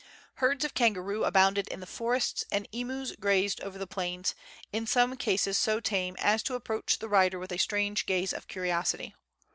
Herds of kangaroo abounded in the forests, and emus grazed over the plains, in some cases so tame as to approach the rider with a strange gaze of curiosity.